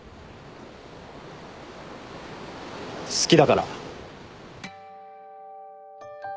好きだから。